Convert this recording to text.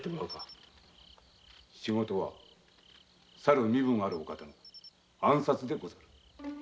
仕事はさる身分あるお方の暗殺でござる。